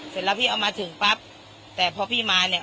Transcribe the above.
เสร็จแล้วพี่เอามาถึงปั๊บแต่พอพี่มาเนี่ย